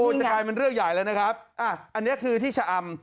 จะกลายเป็นเรื่องใหญ่แล้วนะครับอ่ะอันนี้คือที่ชะอำ